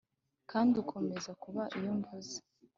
kandi ukomeza kuba iyo mvuze,